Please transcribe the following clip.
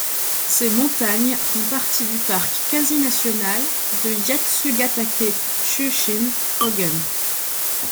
Ces montagnes font partie du parc quasi national de Yatsugatake-Chūshin Kōgen.